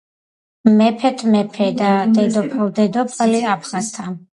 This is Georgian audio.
მეფეთ მეფე და დედოფალთ დედოფალი აფხაზთა